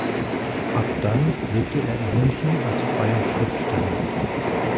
Ab dann lebte er in München als freier Schriftsteller.